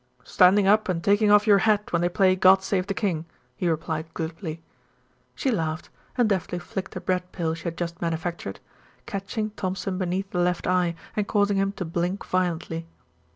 "Standing up and taking off your hat when they play 'God Save the King,'" he replied glibly. She laughed, and deftly flicked a bread pill she had just manufactured, catching Thompson beneath the left eye and causing him to blink violently.